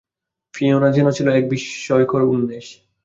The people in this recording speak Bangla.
ফিয়োনা যেন ছিল এক বিস্ময়কর উন্মেষ।